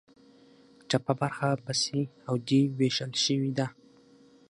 چپه برخه په سي او ډي ویشل شوې ده.